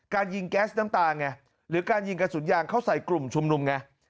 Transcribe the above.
การยิงแก๊สน้ำตาไงหรือการยิงกระสุนยางเข้าใส่กลุ่มชุมนุมไง